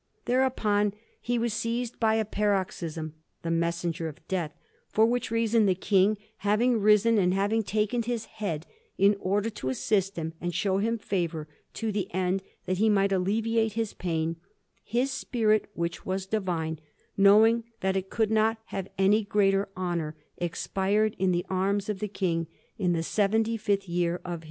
Thereupon he was seized by a paroxysm, the messenger of death; for which reason the King having risen and having taken his head, in order to assist him and show him favour, to the end that he might alleviate his pain, his spirit, which was divine, knowing that it could not have any greater honour, expired in the arms of the King, in the seventy fifth year of his age.